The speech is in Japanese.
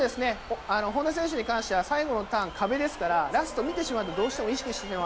本多選手に関しては、最後のターン、壁ですから、ラスト見てしまうと、どうしても意識してしまう。